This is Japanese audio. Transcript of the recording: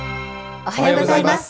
おはようございます。